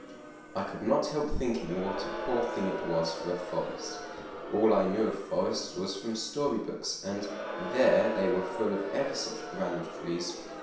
I could not help thinking what a poor thing it was for a forest. All I knew of forests was from story books, and there they were full of ever such grand trees.